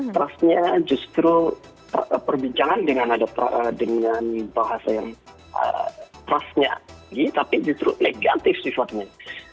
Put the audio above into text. trustnya justru perbincangan dengan bahasa yang trustnya tinggi tapi justru negatif sifatnya